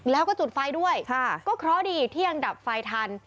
แล้วก็จุดไฟด้วยก็เคราะห์ดีที่ยังดับไฟทัน